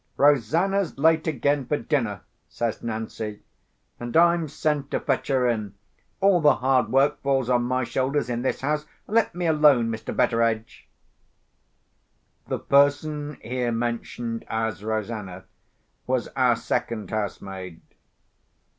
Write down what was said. "Rosanna's late again for dinner," says Nancy. "And I'm sent to fetch her in. All the hard work falls on my shoulders in this house. Let me alone, Mr. Betteredge!" The person here mentioned as Rosanna was our second housemaid.